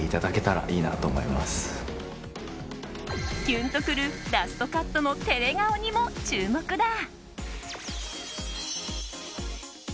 キュンとくるラストカットの照れ顔にも注目だ。